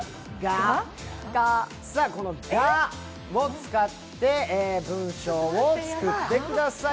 「が」を使って文章を作ってください。